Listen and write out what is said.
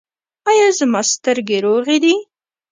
ایا زما سترګې روغې دي؟